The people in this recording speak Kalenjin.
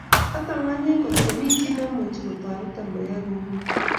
Atanganyi ngotkomi chi ne imuchi kotoreto koyai kouni